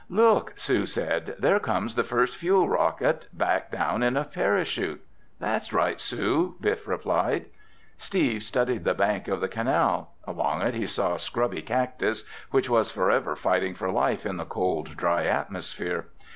"Look," Sue said, "there comes the first fuel rocket back down in a parachute." "That's right, Sue," Biff replied. Steve studied the bank of the canal. Along it he saw scrubby cactus, which was forever fighting for life in the cold, dry atmosphere.